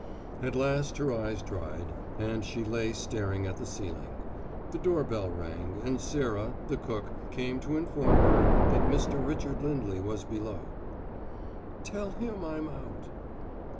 At last her eyes dried, and she lay staring at the ceiling. The doorbell rang, and Sarah, the cook, came to inform her that Mr. Richard Lindley was below. "Tell him I'm out."